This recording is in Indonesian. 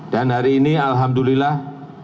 dan hari ini alhamdulillah